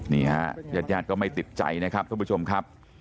นี่ฮะญาติญาติก็ไม่ติดใจนะครับท่านผู้ชมครับ